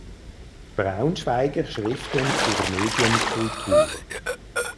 Braunschweiger Schriften zur Medienkultur.